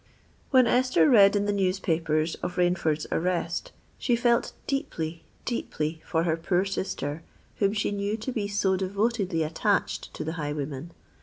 When Esther read in the newspapers of Rainford's arrest, she felt deeply—deeply for her poor sister, whom she knew to be so devotedly attached to the highwayman.